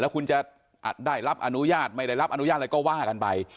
คุณจะได้รับอนุญาตไม่ได้รับอนุญาตอะไรก็ว่ากันไป